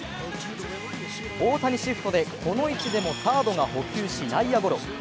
大谷シフトでこの位置でもサードが捕球し内野ゴロ。